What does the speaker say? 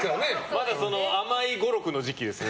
まだ甘い語録の時期ですね。